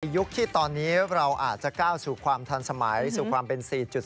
ยุคที่ตอนนี้เราอาจจะก้าวสู่ความทันสมัยสู่ความเป็น๔๐